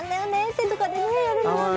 手とかでねやるのはね